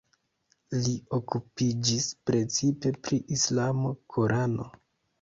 Li okupiĝis precipe pri islamo, Korano.